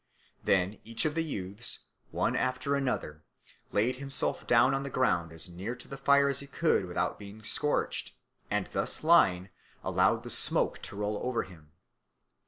Then each of the youths, one after another, laid himself down on the ground as near to the fire as he could without being scorched, and thus lying allowed the smoke to roll over him.